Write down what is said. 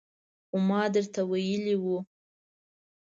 خو ما درته ویلي وو